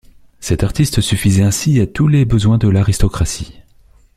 Cet artiste suffisait ainsi à tous les besoins de l’aristocratie.